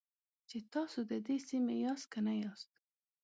چې تاسو د دې سیمې یاست که نه یاست.